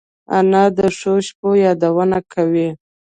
انا د ښو شپو یادونه کوي